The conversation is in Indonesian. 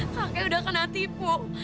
kakek udah kena tipu